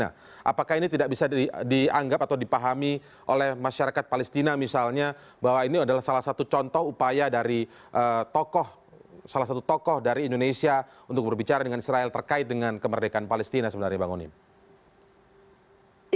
apakah ini tidak bisa dianggap atau dipahami oleh masyarakat palestina misalnya bahwa ini adalah salah satu contoh upaya dari tokoh salah satu tokoh dari indonesia untuk berbicara dengan israel terkait dengan kemerdekaan palestina sebenarnya bang onim